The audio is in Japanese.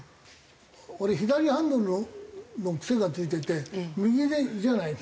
俺左ハンドルの癖がついてて右じゃない？